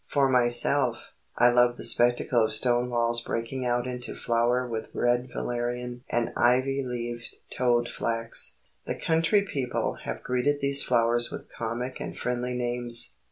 For myself, I love the spectacle of stone walls breaking out into flower with red valerian and ivy leaved toad flax. The country people have greeted these flowers with comic and friendly names.